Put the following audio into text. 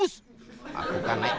dan ini kan jalan k principal